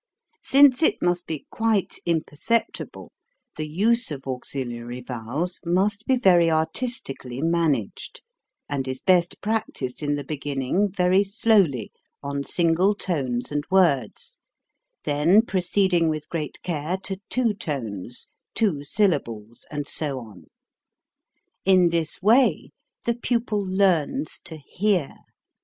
Since it must be quite imperceptible, the use of aux iliary vowels must be very artistically man aged, and is best practised in the beginning very slowly on single tones and words, then proceeding with great care to two tones, two 232 HOW TO SING syllables, and so on. In this way the pupil learns to hear.